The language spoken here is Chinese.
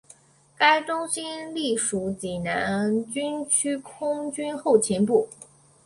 该中心隶属济南军区空军后勤部。